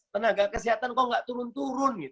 tenaga kesehatan kok nggak turun turun